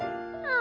あ。